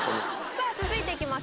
さぁ続いていきましょう。